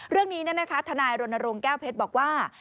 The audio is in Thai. เรื่องนี้ทนายรณรงค์แก้วเพชรบอกว่า